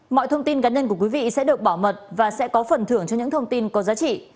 mọi thông tin cá nhân của quý vị sẽ được bảo mật và sẽ có phần thưởng cho những thông tin có giá trị